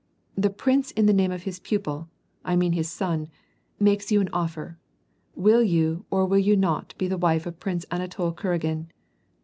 " The prince in the name of his pupil — I mean his son — makes you an offer. Will yoM or will you not be the wife of Prince Anatol Kuragin